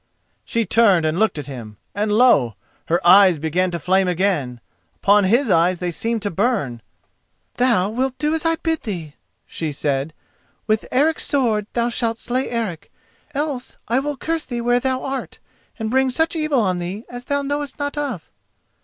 She turned and looked at him, and lo! her eyes began to flame again—upon his eyes they seemed to burn. "Thou wilt do as I bid thee," she said. "With Eric's sword thou shalt slay Eric, else I will curse thee where thou art, and bring such evil on thee as thou knowest not of."